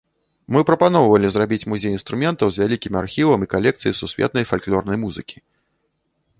Мы прапаноўвалі зрабіць музей інструментаў з вялікім архівам і калекцыяй сусветнай фальклорнай музыкі.